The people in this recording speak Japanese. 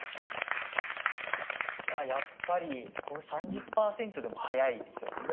やっぱり３０％でも速いですよね。